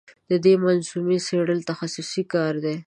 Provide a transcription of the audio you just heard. د دې منظومې څېړل تخصصي کار دی.